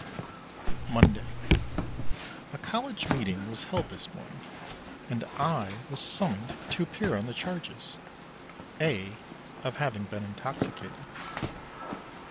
Monday. A College meeting was held this morning and I was summoned to appear on the charges: (a) Of having been intoxicated.